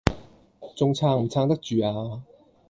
仲撐唔撐得住呀